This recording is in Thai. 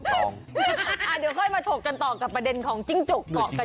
เดี๋ยวค่อยมาถกกันต่อกับประเด็นของจิ้งจกเกาะกัน